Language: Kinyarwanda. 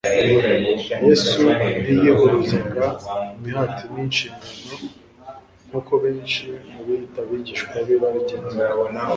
Yesu ntiyihuruzaga imihati n'inshingano nk'uko benshi mu biyita abigishwa be babigenza.